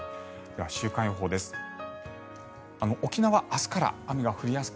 では週間予報です。